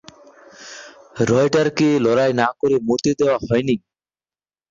রয়টারকে লড়াই না করে মরতে দেয়া হয়নি।